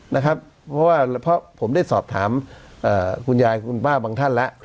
เพราะว่าเพราะผมได้สอบถามคุณยายคุณป้าบางท่านแล้ว